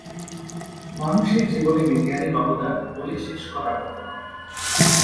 মানুষের জীবনে বিজ্ঞানের অবদান বলে শেষ করার মত নয়।